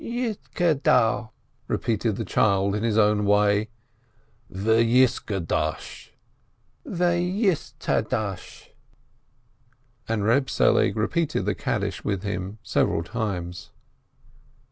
"Yisdaddal," repeated the child in his own way. "Veyiskaddash." "Veyistaddash." And Reb Selig repeated the Kaddish with him several times.